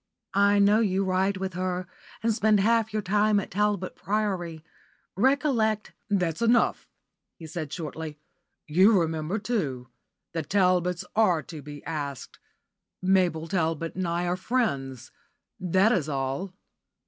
I know you ride with her, and spend half your time at Talbot Priory. Recollect " "That's enough," he said, shortly. "You remember, too. The Talbots are to be asked. Mabel Talbot and I are friends. That is all."